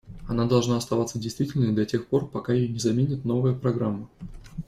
Она должна оставаться действительной до тех пор, пока ее не заменит новая программа.